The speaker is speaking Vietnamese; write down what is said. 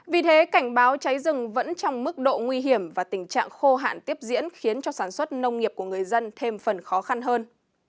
vì thế cảnh báo cháy rừng vẫn trong mức độ nguy hiểm và tình trạng khô hạn tiếp diễn khiến cho sản xuất nông nghiệp của người dân thêm phần khó khăn hơn